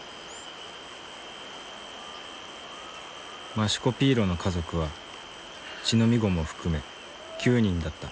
マシュコピーロの家族は乳飲み子も含め９人だった。